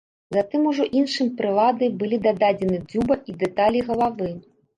Затым ужо іншым прыладай былі дададзены дзюба і дэталі галавы.